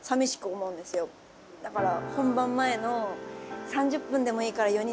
だから。